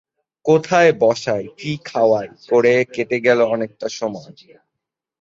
কোথায় বসাই, কী খাওয়াই করে কেটে গেল অনেকটা সময়।